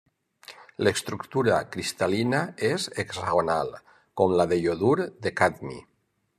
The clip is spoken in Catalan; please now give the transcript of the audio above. L'estructura cristal·lina és hexagonal, com la del iodur de cadmi.